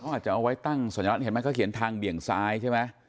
อาจจะเอาไว้ตั้งสัญลักษณ์เห็นไหมเขาเขียนทางเบี่ยงซ้ายใช่ไหม